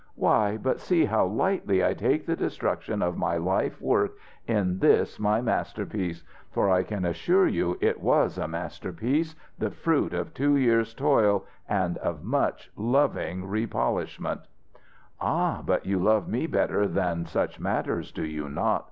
"Why, but see how lightly I take the destruction of my life work in this, my masterpiece! For I can assure you it was a masterpiece, the fruit of two years' toil and of much loving repolishment " "Ah, but you love me better than such matters, do you not?"